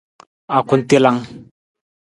Akutelang.